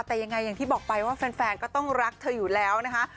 แต่ยังไงอย่างที่บอกไปว่าแฟนก็ต้องรักเธออยู่แล้วนะคะ